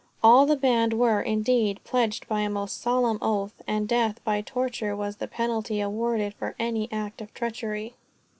All the band were, indeed, pledged by a most solemn oath; and death, by torture, was the penalty awarded for any act of treachery.